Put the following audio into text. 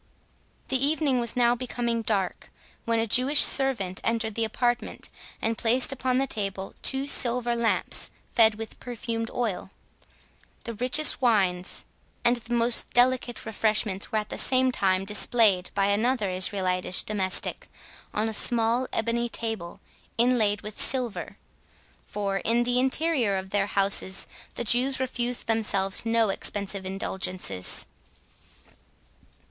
The evening was now becoming dark, when a Jewish servant entered the apartment, and placed upon the table two silver lamps, fed with perfumed oil; the richest wines, and the most delicate refreshments, were at the same time displayed by another Israelitish domestic on a small ebony table, inlaid with silver; for, in the interior of their houses, the Jews refused themselves no expensive indulgences.